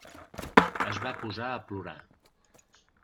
Es va posar a plorar.